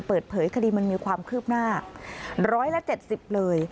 เปิดเผยคดีมันมีความคืบหน้า๑๗๐เลย